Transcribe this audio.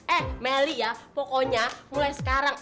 eh melly ya pokoknya mulai sekarang